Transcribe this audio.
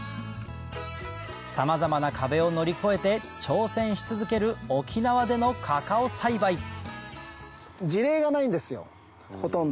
さまざまな壁を乗り越えて挑戦し続ける沖縄でのカカオ栽培ほとんど。